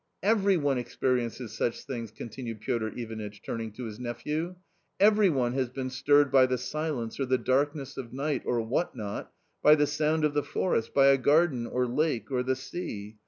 " Every one experiences such things," continued Piotr . Ivanitch, turning to his nephew, " every one has been stirred ■ by the silence or the darkness of night, or what not, by the 1 sound of the forest, by a garden, or lake, or the sea.